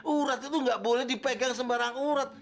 urat itu nggak boleh dipegang sembarang urat